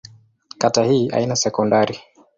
Kata hii haina sekondari.